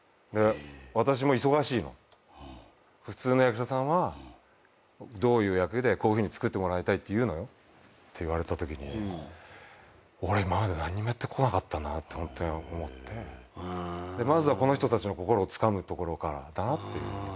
「私も忙しいの」「普通の役者さんはどういう役でこういうふうに作ってもらいたいって言うのよ」って言われたときに俺今まで何にもやってこなかったなって思ってまずはこの人たちの心をつかむところからだなっていう。